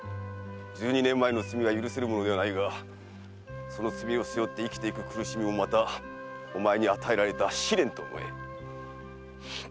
十二年前の罪は許せるものではないがその罪を背負って生きていく苦しみもまたお前に与えられた試練と思え。